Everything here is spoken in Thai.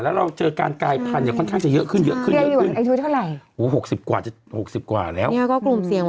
แล้วเราเจอการกายพันธุ์ค่อนข้างจะเยอะขึ้นเยอะขึ้น